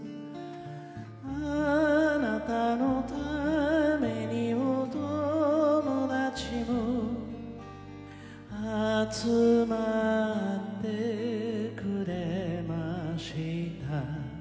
「あなたのためにお友達も集まってくれました」